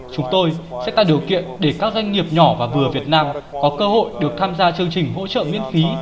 chúng tôi sẽ tạo điều kiện để các doanh nghiệp nhỏ và vừa việt nam có cơ hội được tham gia chương trình hỗ trợ miễn phí